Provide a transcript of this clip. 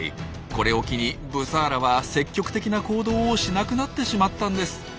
これを機にブサーラは積極的な行動をしなくなってしまったんです。